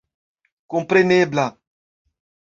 komprenebla.